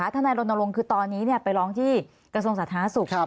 ท่านไอนโรนโรงคือตอนนี้ไปร้องที่กระทรวงสาธารณสุข